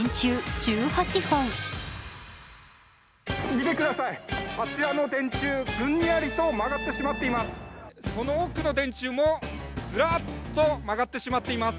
見てください、あちらの電柱、ぐんにゃりと曲がってしまっています。